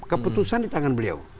keputusan di tangan beliau